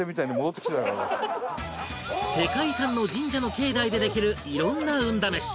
世界遺産の神社の境内でできる色んな運試し